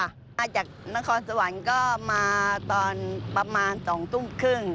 มาจากนครสวรรค์ก็มาตอนประมาณ๒ทุ่มครึ่ง